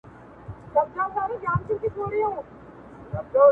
زما په الزامونو دي لمنه توره نه شي